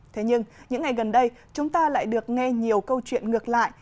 thế nhưng những ngày gần đây chúng ta lại được nghe nhiều câu chuyện ngược lại